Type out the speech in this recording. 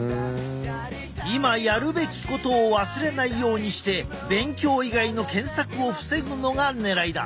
今やるべきことを忘れないようにして勉強以外の検索を防ぐのがねらいだ。